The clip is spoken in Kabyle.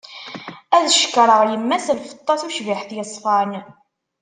Ad cekkreɣ yemma-s, lfeṭṭa tucbiḥt yeṣfan.